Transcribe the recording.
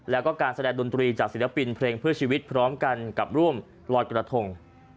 แล้วก็การแสดงดนตรีจากศิลปินเพลงเพื่อชีวิตพร้อมกันกับร่วมลอยกระทง